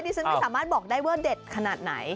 ฉันไม่สามารถบอกได้ว่าเด็ดขนาดไหน